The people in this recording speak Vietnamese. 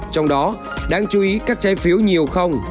trong đó đáng chú ý các trái phiếu nhiều không